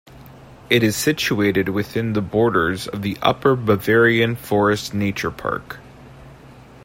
It is situated within the borders of the "Upper Bavarian Forest Nature Park".